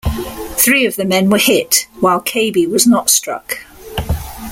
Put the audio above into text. Three of the men were hit, while Cabey was not struck.